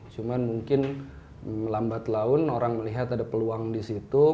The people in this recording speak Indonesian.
cuma mungkin melambat laun orang melihat ada peluang di situ